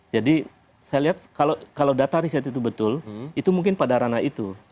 jadi saya lihat kalau data riset itu betul itu mungkin pada rana itu